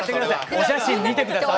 お写真見て下さい。